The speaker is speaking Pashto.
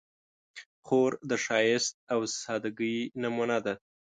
خور د ښایست او سادګۍ نمونه ده.